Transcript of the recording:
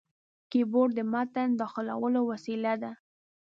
کیبورډ د متن داخلولو وسیله ده.